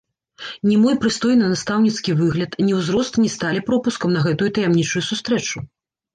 Ні мой прыстойны настаўніцкі выгляд, ні ўзрост не сталі пропускам на гэтую таямнічую сустрэчу.